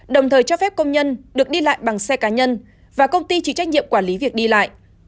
đồng thời cho phép công nhân được đi lại bằng xe cá nhân và công ty chịu trách nhiệm quản lý việc đi lại